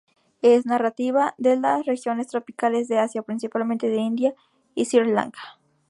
Es nativa de las regiones tropicales de Asia, principalmente en India y Sri Lanka.